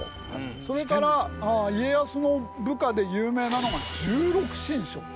それから家康の部下で有名なのが十六神将。